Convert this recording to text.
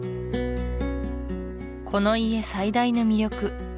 この家最大の魅力